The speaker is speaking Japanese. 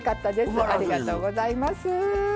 ありがとうございます。